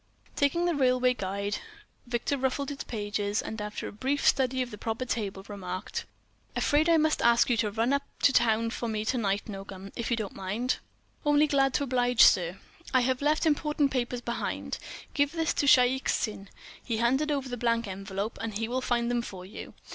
Taking the railway guide, Victor ruffled its pages, and after brief study of the proper table remarked: "Afraid I must ask you to run up to town for me to night, Nogam. If you don't mind ..." "Only too glad to oblige, sir." "I find I have left important papers behind. Give this to Shaik Tsin"—he handed over the blank envelope—"and he will find them for you.